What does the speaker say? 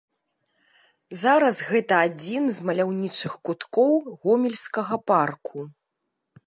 Зараз гэта адзін з маляўнічых куткоў гомельскага парку.